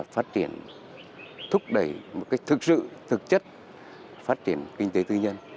phát triển thúc đẩy một cách thực sự thực chất phát triển kinh tế tư nhân